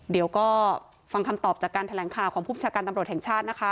เดี๋ยวก็ฟังคำตอบจากการแถลงข่าวของผู้ประชาการตำรวจแห่งชาตินะคะ